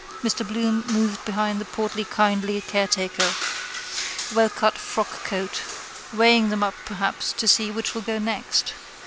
Mr Bloom moved behind the portly kindly caretaker. Wellcut frockcoat. Weighing them up perhaps to see which will go next.